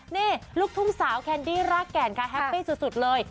นี่ลูกทุ่งสาวแคนดี้รากแก่นค่ะแฮปปี้สุดเลย